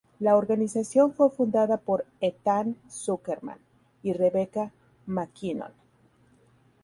La organización fue fundada por Ethan Zuckerman y Rebecca MacKinnon.